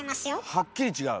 はっきり違う？